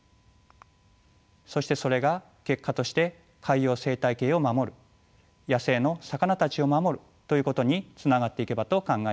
そしてそれが結果として海洋生態系を守る野生の魚たちを守るということにつながっていけばと考えています。